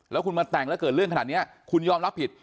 แล้วคุณมาแต่งแล้วเกิดเรื่องขนาดนี้คุณยอมรับผิด